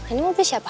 ini mobil siapa